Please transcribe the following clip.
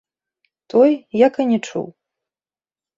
Той як і не чуў.